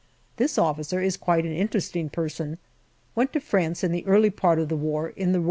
This officer is quite an interesting person ; went to France in the early part of the war in the R.F.